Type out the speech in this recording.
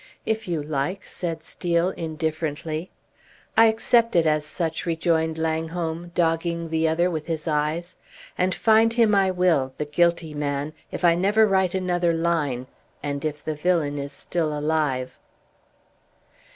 "If you like," said Steel, indifferently. "I accept it as such," rejoined Langholm, dogging the other with his eyes. "And find him I will the guilty man if I never write another line and if the villain is still alive!"